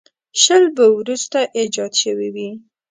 شل به وروسته ایجاد شوي وي.